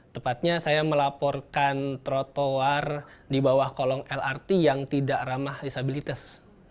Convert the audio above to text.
tepatnya saya melaporkan trotoar di bawah kolong lrt yang tidak ramah disabilitas